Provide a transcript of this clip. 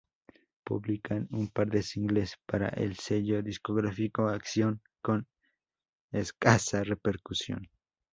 Publican un par de singles para el sello discográfico Acción con escasa repercusión.